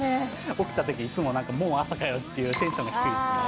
起きたとき、いつも、もう朝かよっていう、テンション低いですね。